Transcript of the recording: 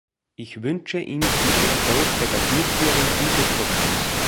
Ich wünsche ihm viel Erfolg bei der Durchführung dieses Programms.